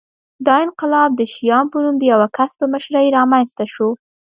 دا انقلاب د شیام په نوم د یوه کس په مشرۍ رامنځته شو